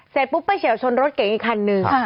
เสร็จปุ๊บไปเฉียวชนรถเก๋งอีกคันนึง